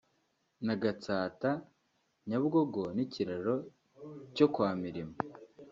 na Gatsata - Nyabugogo n’ikiraro cyo kwa Mirimo